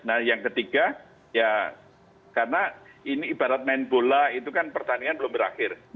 nah yang ketiga ya karena ini ibarat main bola itu kan pertandingan belum berakhir